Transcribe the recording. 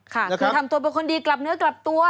ค่ะคือทำตัวเป็นคนดีกลับเนื้อกลับตัว